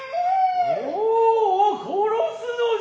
オオ殺すのじゃ。